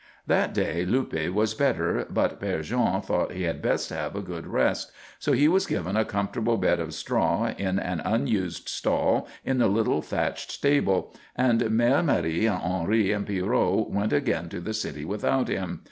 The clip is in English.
That day Luppe was better, but Père Jean thought he had best have a good rest; so he was given a comfortable bed of straw in an unused stall in the little thatched stable, and Mère Marie and Henri and Pierrot went again to the city without him.